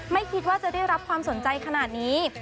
ไม่คิดว่าจะได้รับความสนใจขนาดนี้